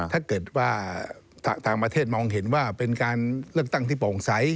ถ้าเกิดว่าต่างประเทศมองเห็นว่าเป็นการเลือกตั้งที่โปร่งใส